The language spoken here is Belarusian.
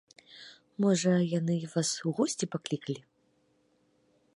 Можа, яны вас у госці паклікалі?